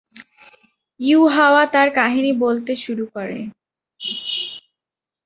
ইউহাওয়া তার কাহিনী বলতে শুরু করে।